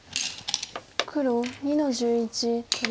黒２の十一取り。